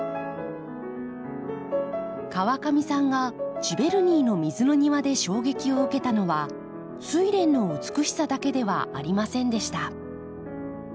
川上さんがジヴェルニーの水の庭で衝撃を受けたのはスイレンの美しさだけではありませんでした。